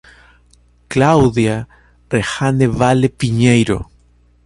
Cláudia Rejanne Vale Pinheiro